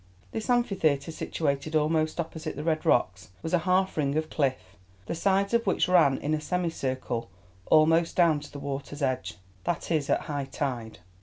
This Amphitheatre, situated almost opposite the Red Rocks, was a half ring of cliff, the sides of which ran in a semicircle almost down to the water's edge, that is, at high tide.